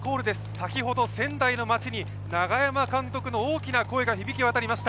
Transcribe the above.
先ほど仙台の街に永山監督の大きな声が響きわたりました。